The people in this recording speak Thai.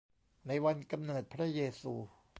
ในวันกำเนิดพระเยซู